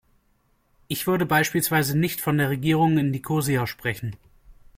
Ich würde beispielsweise nicht von der Regierung in Nikosia sprechen.